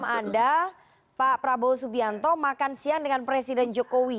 anda pak prabowo subianto makan siang dengan presiden jokowi